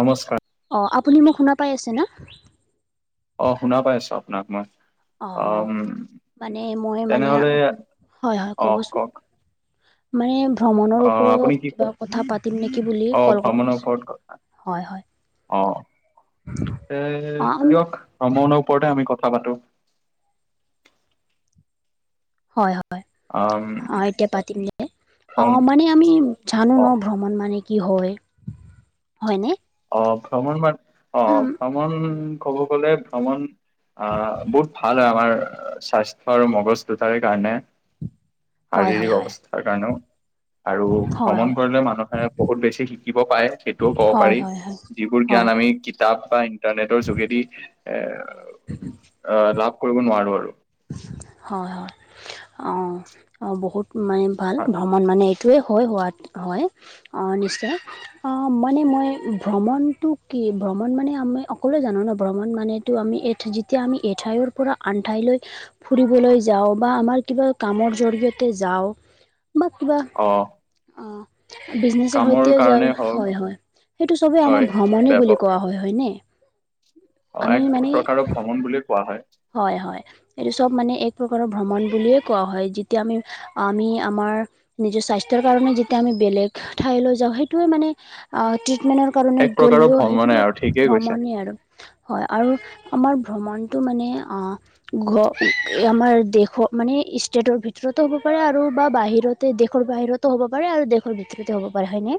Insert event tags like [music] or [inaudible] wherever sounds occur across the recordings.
নমস্কাৰ অ', আপুনি মোক শুনা পাই আছে ন অ', শুনা পাই আছো আপোনাক মই অ', অম মানে মই মানে তেনেহলে হয় হয় অ ক'বচোন কওক মানে ভ্ৰমণৰ অ ওপৰত আপুনি কি কিবা কথা পাতিম নেকি বুলি অ ভ্ৰমণৰ ওপৰত ক- হয় হয়। অ', এ অ দিয়ক ভ্ৰমণৰ ওপৰতে আমি কথা পাতো হয় হয়। আম হয় অ এতিয়া পাতিম দ অ ভ্ৰম মানে আমি জানো ন অ ভ্ৰমণ মানে কি হয় হয়নে অ', ভ্ৰমণ ম অ ভ্ৰমণ কব গলে ভ্ৰমণ আহ বহুত ভাল হয় আমাৰ স্বাইটছি আৰু মগজ দুটাৰ কাৰণে [inaudible] শাৰীৰিক হয় অৱস্থাৰ কাৰণেও আৰু হয় ভ্ৰমণ কৰিলে মানুহে বহুত বেছি শিকিব পায় সেইটোও কব হয় হয় হয় পাৰি যিবোৰ হয় জ্ঞান আমি কিতাপ বা ইন্টাৰনেটৰ যোগেদি এ হয় অ', লাভ কৰিব নোৱাৰো আৰু হয় হয়, অ অ', বহুত মানে ভাল মন মানে এইটোৱেই হয়, হোৱাত হয় নিশ্চয় অ', মানে মই ভ্ৰমণটো কি? ভ্ৰমণ মানে আমি সকলোৱে জানো ন' ভ্ৰমণ মানে টো আমি যেতিয়া, আমি এঠাইৰ পৰা আন ঠাইলৈ ফুৰিবলৈ যাওঁ, বা আমাৰ কিবা কামৰ জৰিয়তে যাওঁ, বা কিবা অঁ', অ', বিজনেচৰ সৈতেও যাওঁ কাৰণে হওক হয় হয় সেইটো চবেই হয় আমাৰ ভ্ৰমণে বুলি ব্যাপক কোৱা হয়, হয়নে? অ', আমি এক মানে প্ৰকাৰৰ ভ্ৰমণ বুলিয়ে কোৱা হয়। হয় হয়, এইটো চব মানে এক প্ৰকাৰৰ ভ্ৰমণ বুলিয়ে কোৱা হয়, যেতিয়া আমি আমি, আমাৰ নিজৰ স্বাস্থ্যৰ কাৰণে যেতিয়া আমি বেলেগ ঠাইলৈ যাওঁ সেইটোোৱে মানে অ', ট্ৰিটমেন্টৰ কাৰণে এক প্ৰকাৰৰ গ'লেও ভ্ৰমণে সেইটোও আৰু ঠিকেই কৈছে ভ্ৰমণেই আৰু। হয়, আৰু আমাৰ ভ্ৰমণটো মানে অ ঘৰ, আমাৰ দেশৰ মানে ষ্টেটৰ ভিতৰতো হ'ব পাৰে আৰু বা বাহিৰতে দেশৰ বাহিৰত হ'ব পাৰে আৰু দেশৰ ভিতৰতেও হ'ব পাৰে হয়নে?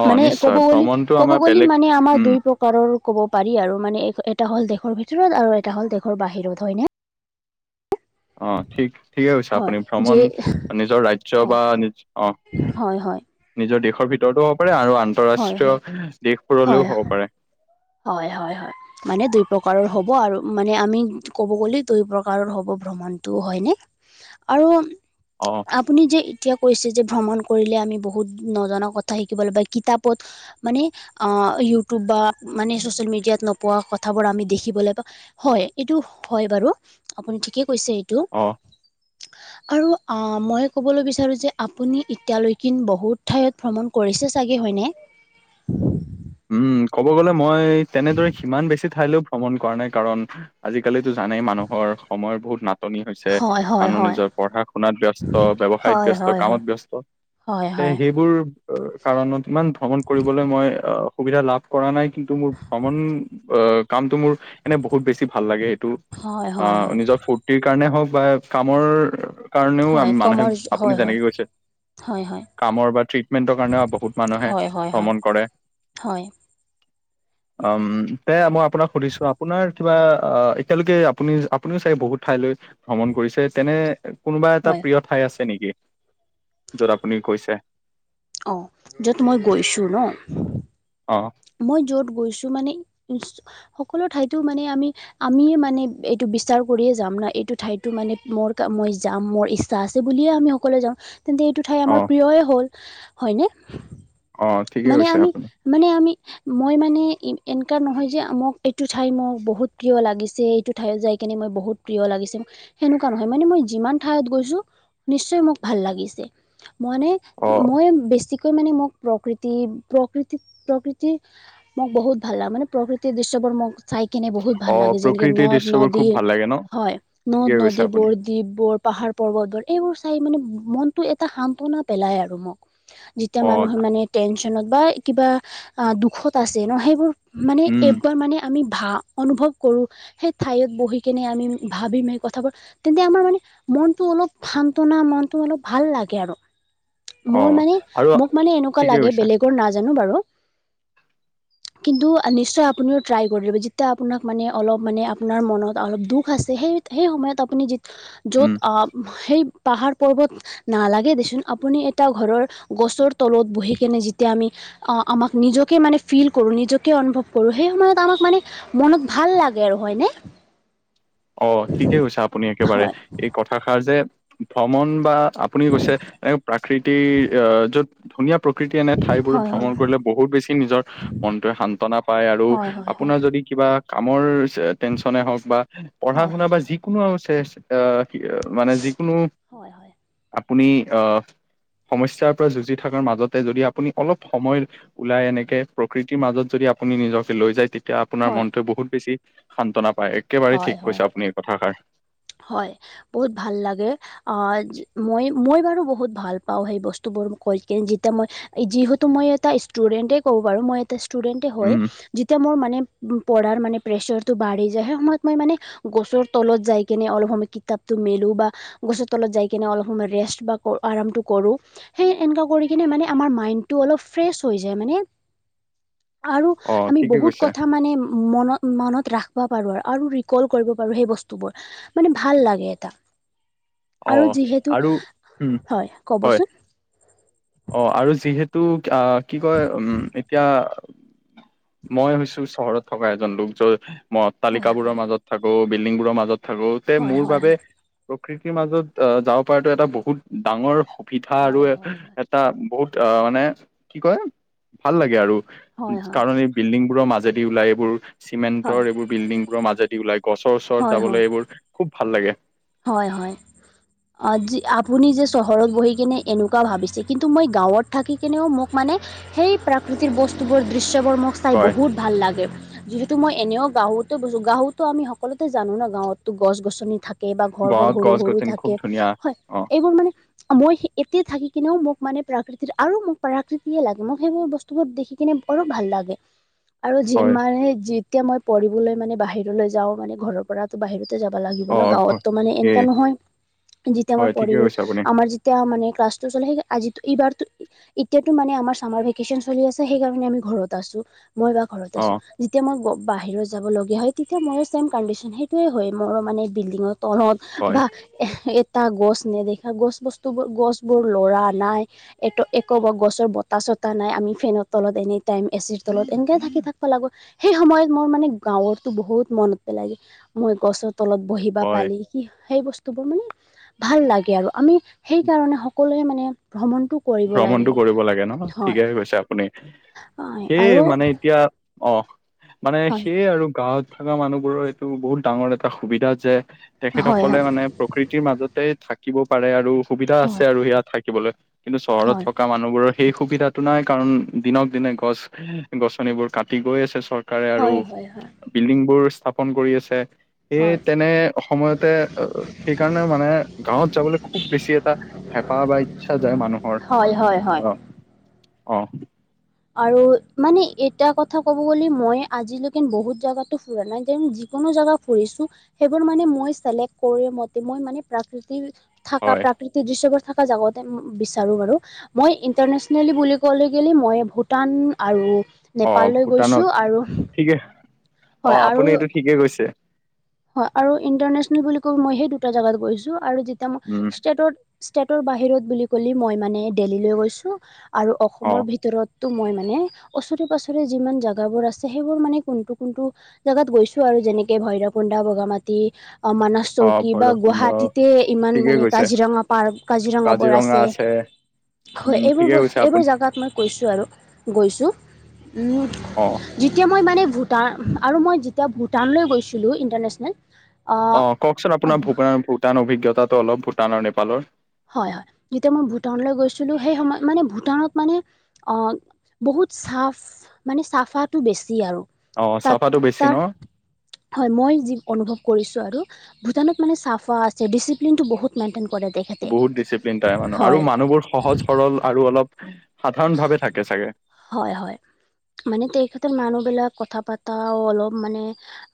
অ মানে ক'ব নিশ্চয় গ'লে, ভ্ৰমণটো ক'ব আমাৰ গ'লে বেলেগ মানে আমাৰ উম দুই প্ৰকাৰ ৰ ক'ব পাৰি আৰু মানে এটা হ'ল দেশৰ ভিতৰত আৰু এটা হ'ল দেশৰ বাহিৰত হয়নে? অ ঠিক ঠিকে কৈছে হয় আপুনি, যি ভ্ৰমণ নিজৰ ৰাজ্য হয় বা নিজৰ অ হয়, হয়। নিজৰ দেশৰ ভিতৰতো হ'ব পাৰে আৰু হয় হয় আন্তঃৰাষ্ট্ৰীয় হয় দেশবোৰলৈও হ'ব পাৰে। হয়, হয়, হয়। মানে দুই প্ৰকাৰৰ হ'ব আৰু মানে আমি ক'ব গ'লে দুই প্ৰকাৰৰ হ'ব ভ্ৰমণটোও হয়নে? আৰু অ'। আপুনি যে এতিয়া কৈছে, যে ভ্ৰমণ কৰিলে আমি বহুত নজনা কথা শিকিব পায় কিতাপত মানে ইউটিউব বা মানে চ'চিয়েল মেডিয়াত নোপোৱা কথাবোৰ আমি দেখিবলৈ পাওঁ হয়, এইটো হয় বাৰু, আপুনি ঠিকে কৈছে টো অ আৰু মই ক'বলৈ বিচাৰোঁ, যে আপুনি এতিয়ালৈক বহুত ঠাইত ভ্ৰমণ কৰিছে চাগে হয়নে? উম, ক'ব গলে মই তেনেদৰে সিমান বেছি ঠাইলৈও ভ্ৰমণ কৰা নাই কাৰণ আজি কালিটো জানেই মানুহৰ সময় বহুত নাটনি হৈছে হয় হয় মানুহ হয় নিজৰ পঢ়া শুনাত ব্যস্ত, ব্যৱসায়ত হয় ব্যস্ত, হয় হয় কামত ব্যস্ত। হয় এ হয় সেইবোৰ কাৰণত ইমান ভ্ৰমণ কৰিবলৈ মই অ' সুবিধা লাভ কৰা নাই, কিন্তু মোৰ ভ্ৰমণ কামটো মোৰ এনে বহুত বেছি ভাল লাগে এইটো, হয় হয় আহ হয় নিজৰ ফু ফূৰ্তি কাৰণে হওক বা কামৰ কাৰণেও হয় মানুহে কমৰ হয় আপুনি হয় যেনেকে গৈছে হয় হয় কামৰ বা ট্ৰিটমেন্টৰ কাৰণে বহুত মানুহে হয় হয় হয় ভ্ৰমণ কৰে। হয়। অ', তেনে মই আপোনাক সুধিছো আপোনাৰ কিবা, আহ এতিয়ালৈকে আপুনি আপুনিও চাগে বহুত ঠাইলৈ ভ্ৰমণ কৰিছে, তেনে কোনোবা এটা হয় প্ৰিয় ঠাই আছে নেকি? য'ত আপুনি গৈছে? অঁ, য'ত মই গৈছোঁ ন' অ'। মই য'ত গৈছোঁ মানে সকলো ঠাইতো মানে আমি আমিয়ে মানে এইটো বিছাৰ কৰিয়ে যাম ন' এইটো ঠাইতো মানে মোৰ মই যাম মোৰ ইচ্ছা আছে বুলিয়ে আমি সকলোৱে যাওঁ, তেন্তে এইটো ঠাই অ আমাৰ প্ৰিয়য়ে হ'ল হয়নে? অ ঠিকে মানে কৈছে আমি, আপুনি মানে আমি মই মানে এনেকোৱা নহয়, যে মোক এইটো ঠাই মোক বহুত প্ৰিয় লাগিছে, এইটো ঠাইত যাই কিনে মই বহুত প্ৰিয় লাগিছে, তেনেকুৱা নহয় মানে মই যিমান ঠাইত গৈছো নিশ্চয় মোক ভাল লাগিছে। মানে অ মই, বেছিকৈ মানে মোক প্ৰকৃ প্ৰকৃতি, প্ৰকৃতি মোক বহুত ভাল লাগে। মানে প্ৰকৃতিৰ দৃশ্যবোৰ মোক চাই কিনে বহুত ভাল অ লাগে, যেনেকে প্ৰকৃতিৰ দৃশ্যবোৰ খুব নদ-নদী ভাল লাগে ন হয়, ঠিকে কৈছে নদ-নদী আপুনি বোৰ দ্বীপবোৰ, পাহাৰ-পৰ্বতবোৰ, এইবোৰ চাই মানে মনতো এটা সান্তনা পেলাই আৰু মোক যেতিয়া অ মানুহৰ মানে টেনচনত বা কিবা দুখত আছে ন সেইবোৰ মানে উম এইবোৰ মানে আমি ভা অনুভৱ কৰো সেই ঠাইত বহি কেনে আমি ভাবিম সেই কথাবোৰ তেন্তে আমাৰ মানে মনটো অলপ সান্তনা, মনটো অলপ ভাল লাগে আৰু অ মোৰ মানে, আৰু মোক মানে এনেকুৱা ঠিকে লাগে কৈছে বেলেগৰ নাজানোঁ বাৰু কিন্তু নিশ্চয় আপুনিও ট্ৰাই কৰি দিব, যেতিয়া আপোনাক মানে অলপ মানে আপোনাৰ মনত অলপ দুখ আছে সেই সেই সময়ত আপুনি যেতিয়া উম য'ত আহ সেই পাহাৰ-পৰ্বত নালাগে দেচোন, আপুনি এটা ঘৰৰ গছৰ তলত বহি কিনে যেতিয়া আমি আমাক নিজকে মানে ফিল কৰো। নিজকে অনুভৱ কৰোঁ। সেই সময়ত আমাক মানে মনত ভাল লাগে আৰু হয়নে! অ', ঠিকেই কৈছে আপুনি একেবাৰে, হয় এই কথাষাৰ যে ভ্ৰমণ বা আপুনি কৈছে এ প্ৰাকৃতিৰ আহ্ য'ত ধুনীয়া প্ৰকৃতিৰ এনে ঠাইবোৰত হয় হয় ভ্ৰমণ কৰিলে বহুত বেছি নিজৰ মনটোৱে শান্তনা পায় আৰু হয় হয় হয় আপোনাৰ যদি কিবা কামৰ টেনচনে হওঁক বা পঢ়া হয় হয় শুনা বা যিকোনো টে অ', কি মানে যিকোনো- হয় হয় হয় আপুনি অ', সমস্যাৰ পৰা যুঁজি থকাৰ মাজতে যদি আপুনি অলপ সময়- ওলাই এনেকে প্ৰকৃতিৰ মাজত যদি আপুনি নিজকে লৈ যায়, তেতিয়া আপোনাৰ হয় মনটো বহুত বেছি- শান্তনা পায়, একেবাৰেই হয় ঠিক হয় কৈছে আপুনি এই কথাষাৰ। হয়, বহুত ভাল লাগে অ'। মই, মই বাৰু বহুত ভাল পাওঁ সেই বস্তু বোৰ, কৈ কিনে যেতিয়া মই- যিহেতু মই এটা ষ্টুডেন্টে কব পাৰোঁ, মই এটা ষ্টুডেন্টে হয়। উম যেতিয়া মোৰ মানে পঢ়াৰ মানে প্ৰেচাৰটো বাঢ়ি যায়, সেই সময়ত মই মানে গছৰ তলত যায়- তেনে অলপ সময় কিতাপটো মেলো বা গছৰ তলত যাই কেনে অলপ সময় ৰেষ্ট বা আৰামটো কৰোঁ। সেই এনেকা কৰি কিনে মানে আমাৰ মাইণ্ডটো অলপ ফ্ৰেচ হৈ যায় মানে। আৰু অ আমি ঠিকে বহুত কৈছে কথা মানে। মনত, মনত ৰাখিব পাৰোঁ আৰু, আৰু ৰিকল কৰিব পাৰোঁ সেই বস্তুবোৰ। মানে ভাল লাগে এটা। অ আৰু যিহেতু, আৰু উম হয় হয় ক'বচোন। অ', আৰু যিহেতু আহ্ কি কয়। উম্ এতিয়া- মই হৈছোঁ চহৰত থকা এজন লোক। য'ত মই হয় হয় অট্টালিকাবোৰৰ মাজত- থাকোঁ, বিল্ডিং বোৰৰ মাজত থাকোঁ। তে হয় মোৰ হয় বাবে প্ৰকৃত- মাজত অ', যাব পৰাটো এটা বহুত ডাঙৰ সুবিধা আৰু- হয় হয় হয়। এটা বহুত অ', মানে কি কয়, ভাল লাগে আৰু হয় হয় কাৰণ এই- বিল্ডিং বোৰৰ মাজেদি ওলাই এইবোৰ- চিমেণ্টৰ হয় এইবোৰ বিল্ডিংবোৰৰ মাজেদি ওলাই। গছৰ ওচৰত হয় হয় যাবলৈ এইবোৰ খুব ভাল লাগে। হয় হয়, আজি আপুনি- চহৰত বহি কিনে এনেকুৱা ভাবিছে, কিন্তু মই গাঁৱত থাকি কিনেও মোক মানে- সেই প্ৰাকৃতিৰ বস্তুবোৰ দৃশ্যবোৰ মোক চাই হয় বহুত ভাল লাগে। যিহেতু মই এনেও গাঁৱতে বজো, গাঁৱতো আমি সকলোতে জানোঁ ন। গাঁৱতো গছ-গছনি থাকে। থাকে বা ঘৰ বোৰ গাঁৱত সৰু গছ সৰু গছনি খুব থাকে, ধুনীয়া হয় অ এইবোৰ মানে। মই এতিয়া থাকি কিনেও মোক মানে প্ৰাকৃতিৰ আৰু মোক প্ৰাকৃতিয়ে লাগে মোক সেইবোৰ বস্তু- বস্তু দেখি কিনে বৰো ভাল লাগে। আৰু হয় যিমানে যেতিয়া মই পঢ়িবলৈ মানে বাহিৰলৈ যাওঁ মানে, ঘৰৰ পৰা- বাহিৰতে যাব লাগিব ন, অ' ঘ গাঁৱতো মানে এ এনেকা নহয়, যেতিয়া মই হয় ঠিকে পঢ়িবলে কৈছে আপুনি যেতিয়া আমাৰ- এতিয়া মানে ক্লাছটো চলে, সেই আজি এইবাৰো- এতিয়াতো মানে আমাৰ চামাৰ ভেকেচন চলি আছে। সেই কাৰণে আমি ঘৰত আছো, মই বা ঘৰত আছো। অ' যেতিয়া মই বাহিৰত যাবলগীয়া হয়। তেতিয়া মোৰো চছেম কণ্ডিশ্যন সেইটোৱেই হয় মোৰো মানে বিল্ডিঙত তলত হয় বা এটা গছ নেদেখা গছ বস্তুবোৰ গছ বোৰ ল'ৰা নাই। একো গছৰ বতাহ, চতাহ নাই আমি ফেনৰ তলত এনি টাইম এচিৰ তলত এনেকে থাকি, থাকিব লাগো। সেই সময়ত মোৰ মানে গাঁৱতো বহুত মনত পেলাই যে মই গছৰ তলত বহি বা হয় পালি কি সেই বস্তুবোৰ মানে ভাল লাগে আৰু আমি সেইকাৰণে সকলোৱে মানে ভ্ৰমণটোক ভ্ৰমণতটো কৰিব লাগে নহ ঠিকে গৈছে আপুনি হয় সেই আৰু মানে এতিয়া অ, মানে হয় সেইয় আৰু গাঁৱত থকা মানুহবোৰৰ এইটো বহুত ডাঙৰ এটা সুবিধা যে হয় হয় তেখেতসকলে মানে প্ৰকৃতিৰ মাজতে থাকিব পাৰে আৰু সুবিধা আছে হয় আৰু সেয়া থাকিবলৈ কিন্তু চহৰত হয় থকা মানুহবোৰৰ সেই সুবিধাতটো নাই কাৰণ দিনক দিনে গছ-গছনিবোৰ কাটি গৈ আছে চৰকাৰ। চৰকাৰে আৰু হয় হয় বিল্ডিং বোৰ স্থাপন কৰি আছে। এই হয় তেনে সময়তে সেইকাৰণে মানে গাঁৱত যাবলৈ খুব বেছি এটা হেঁপাহ বা ইচ্ছা যায় মানুহৰ হয় হয় হয় হয় আহ, অ'। আৰু মানে এটা কথা ক'ব গ'লে মই আজিলৈকে বহুত জাগগাতো ফুৰা নাই যিকোনো জাগগা ফুৰিছো সেইবোৰ মানে মই চ ম মই মানে প্ৰাকৃতি থ হয় প্ৰীতি দৃশ্য থকা জাগাতে বিচাৰো বাৰু মই ইন্টাৰনেচনেলি বুলি কলে মই ব টান আৰু অ নেপাললৈ গৈছো ভূটানত আৰু ঠিকে অ হয় আৰু আপুনি এইটো ঠিকে কৈছে হয় আৰু ইন্টাৰনেচনেল বুলি ক মই সেই দুটা জেগাত গৈছো, আৰু যেতিয়া মই উম ষ্টেটত ষ্টেটৰ বাহিৰত বুলি ক'লে মই মানে দেল্হীলৈ গৈছো, আৰু অ অসমৰ ভিতৰত তো মই মানে, ওচৰে পাছৰে যিমান জোগাবোৰ আছে সেইবোৰ মানে কোনটো-কোনটো জাগাত গৈছো আৰু যেনেকে ভৈৰকুন্দা, বগামাটি, আ, মানস অ চৌকী বা ভৈৰৱকুণ্ড গুৱাহাটীতে ইমান ঠিকে মানে কৈছে কাজিৰঙা পাৰ, কাজিৰঙাবোৰ আছে। হয়, উম এইবোৰ ঠিকে ব, কৈছে এইবোৰ আপুনি জাগাত মই কৈছো আৰু, গৈছো, উম। অ'। যেতিয়া মই মানে ভূটা আৰু মই যেতিয়া ভূটানলৈ গৈছিলোঁ, ইণ্টাৰনেশ্যনেল। অ, কওকচোন আপোনাৰ ভূপ এ-ভূটান অভিজ্ঞতাটো অলপ ভূটান আৰু নেপালৰ। হয়-হয়, যেতিয়া মই ভূটানলৈ গৈছিলোঁ সেই সময়ত মানে ভূটানত মানে অ, বহুত চাফ মানে চাফাটো বেছি আৰু। অ চাফাটো বেছি তাত-তাৰ ন হয়, মই যি অনুভৱ কৰিছো আৰু। ভূটানত মানে চাফা আছে, ডিচিপ্লিনটো বহুত মেইনটেইন কৰে তেখে বহুত ডিচিপ্লিন তাৰে মানুহ, আৰু মানুহবোৰ সহজ-সৰল আৰু অলপ সাধাৰণ ভাৱে থাকে চাগে। হয়-হয়, মানে তেইখতে মানুহবিলাক কথা পতা অলপ মানে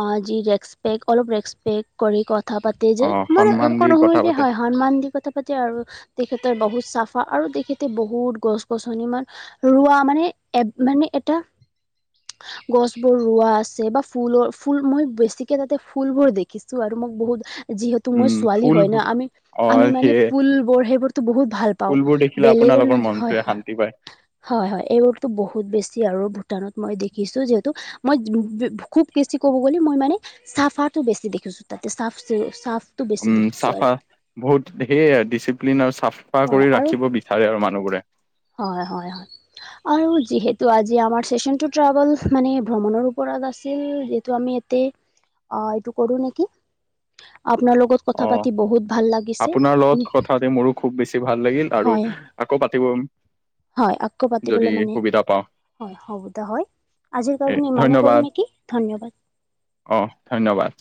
অ, যি ৰেকচপেক্ট অলপ ৰেকচপেক্ট কৰি কথা পাতে অ যে, মানে সন্মান এনেকুৱা দি নহলে কথা যে পাতে হয় হন্মান দি কথা পাতি আৰু তেখেতে বহুত চাফা, আৰু তেখেতে বহুত গছ-গছনি মান ৰোৱা মানে, এব মানে এটা [unintelligible] গছ বোৰ ৰোৱা আছে বা ফুলৰ, ফুল মই বেছিকে তাতে ফুলবোৰ দেখিছো আৰু মোক বহুত যিহেতু মই উম ছোৱালী ফুল হয় ন, অ আমি-আমি মানে সেয়ে পুলবোৰ সেইবোৰতো বহুত ভাল পাও, ফুলবোৰ দেখিলে বেলেগৰ আপোনালোকৰ মনটোৱে [unintelligible] শান্তি পায় হয়-হয়। এইবোৰতো বহুত বেছি আৰু ভূটানত মই দেখিছোঁ, যিহেতু মই [inaudible] খুব বেছি কব গ'লে মই মানে চাফাটো বেছি দেখিছো তাতে, চাফ-চ-চাফ উম, চাফা বহুত সেয়ে ডিচিপ্লিন আৰু চাফা কৰি ৰাখিব বিচাৰে আৰু মানুহবোৰে। হয়-হয়-হয়। আৰু যিহেতু আজি আমাৰ চেচন তো ট্ৰেভেল, মানে ভ্ৰমণৰ ওপৰত আছিল যিহেতু আমি এত তে অ, এইটো কৰো নেকি, আপোনাৰ লগত কথা অ, পাতি বহুত ভাল লাগিছে আপোনাৰ লগত কথা পাতি মোৰো খুব বেছি ভাল লাগিল, আৰু হয় আকৌ পাতিবম। হয়, আকৌ পাতিবলৈ মানে। পাওঁ হয় হ'ব দে হয়। আজিৰ এ কাৰণে ইমানেই কৰো ধন্যবাদ নেকি, ধন্যবাদ। অ', ধন্যবাদ।